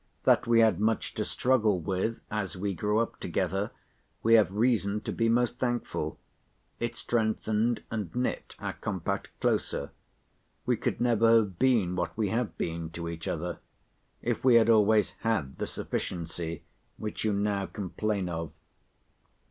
That we had much to struggle with, as we grew up together, we have reason to be most thankful. It strengthened, and knit our compact closer. We could never have been what we have been to each other, if we had always had the sufficiency which you now complain of.